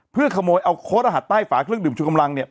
เพื่อขโมยเอาโค้ดรหัสใต้ฝาเครื่องดื่มชูกำลังเนี่ย